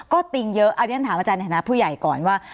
ก็ติงเยอะอันนี้ฉันถามอาจารย์แห่งภูเย่ายก่อนว่า